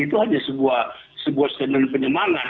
itu hanya sebuah standar penyemangat